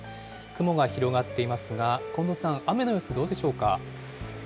雲が広がっていますが、近藤さん、雨の様子、どうでしょうか。